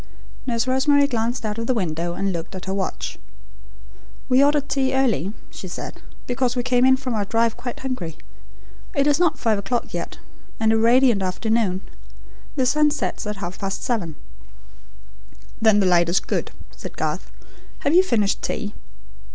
Nurse Rosemary glanced out of the window and looked at her watch. "We ordered tea early," she said, "because we came in from our drive quite hungry. It is not five o'clock yet, and a radiant afternoon. The sun sets at half past seven." "Then the light is good," said Garth. "Have you finished tea?